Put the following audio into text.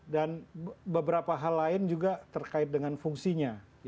dan beberapa hal lain juga terkait dengan fungsinya